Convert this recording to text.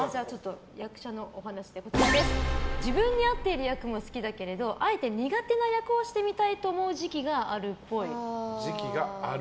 役者の話で自分に合っている役も好きだけどあえて苦手な役をしてみたいと思う時期があるっぽい。